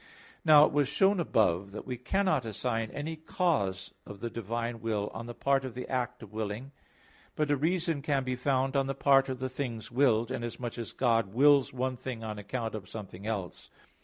Now it was shown above (Q. 19, A. 5), that we cannot assign any cause of the divine will on the part of the act of willing; but a reason can be found on the part of the things willed; inasmuch as God wills one thing on account of something else.